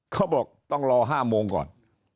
เขาบอกต้องรอ๕โมงก่อน